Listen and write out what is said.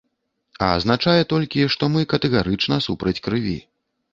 А азначае толькі, што мы катэгарычна супраць крыві.